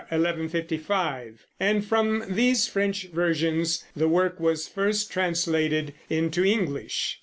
1155), and from these French versions the work was first translated into English.